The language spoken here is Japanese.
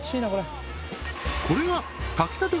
これが炊きたて